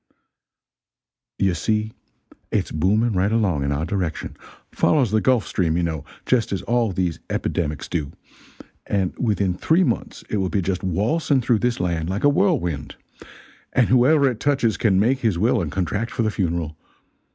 "You see it's booming right along in our direction follows the Gulf Stream, you know, just as all those epidemics do, and within three months it will be just waltzing through this land like a whirlwind! And whoever it touches can make his will and contract for the funeral.